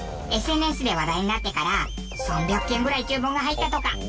ＳＮＳで話題になってから３００件ぐらい注文が入ったとか。